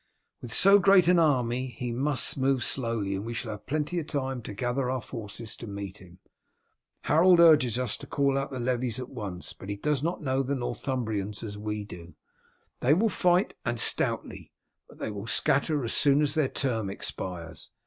With so great an army he must move slowly and we shall have plenty of time to gather our forces to meet him. Harold urges us to call out the levies at once, but he does not know the Northumbrians as we do. They will fight, and stoutly, but they will scatter as soon as their term expires.